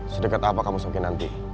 sedekat apa kamu mungkin nanti